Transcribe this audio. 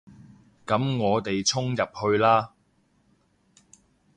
噉我哋衝入去啦